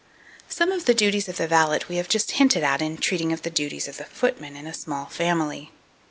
2235. Some of the duties of the valet we have just hinted at in treating of the duties of the footman in a small family.